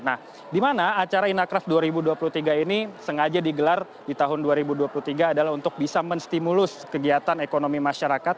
nah di mana acara inacraft dua ribu dua puluh tiga ini sengaja digelar di tahun dua ribu dua puluh tiga adalah untuk bisa menstimulus kegiatan ekonomi masyarakat